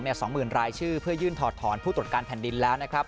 ๒หมื่นรายชื่อยืนถอดถอนผู้ตรวจการภัณฑ์ดินแล้วนะครับ